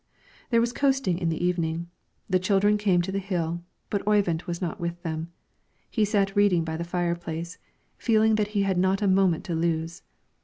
There was coasting in the evening; the children came to the hill, but Oyvind was not with them. He sat reading by the fire place, feeling that he had not a moment to lose.